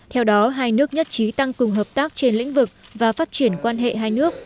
theo đó hai nước nhất trí tăng cường hợp tác trên lĩnh vực và phát triển quan hệ hai nước